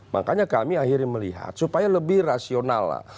makanya kami akhirnya melihat supaya lebih rasional lah